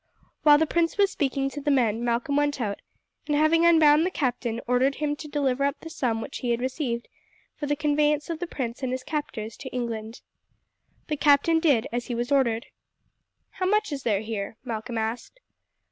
While the prince was speaking to the men, Malcolm went out, and having unbound the captain, ordered him to deliver up the sum which he had received for the conveyance of the prince and his captors to England. The captain did as he was ordered. "How much is there here?" Malcolm asked.